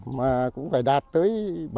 mà cũng phải đạt tới bảy mươi tám mươi